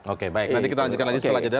oke baik nanti kita lanjutkan lagi setelah jeda